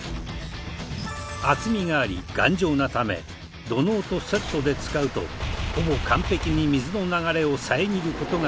厚みがあり頑丈なため土のうとセットで使うとほぼ完璧に水の流れを遮る事ができる。